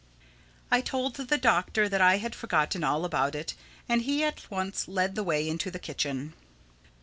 I told the Doctor that I had forgotten all about it and he at once led the way into the kitchen.